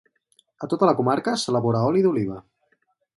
A tota la comarca s'elabora oli d'oliva.